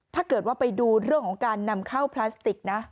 ถ้าเกิดว่าไปดูเรื่องของการนำเข้าพลาสติกนะ